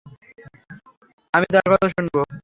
আমি তার কথা শুনব।